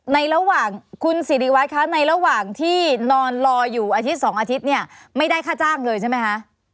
ในระหว่างคุณสิริวัตรคะในระหว่างที่นอนรออยู่อาทิตย์๒อาทิตย์เนี่ยไม่ได้ค่าจ้างเลยใช่ไหมคะ